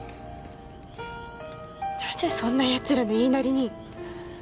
なぜそんな奴らの言いなりに。